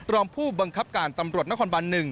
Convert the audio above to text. รองผู้บังคับการตำรวจนครบัน๑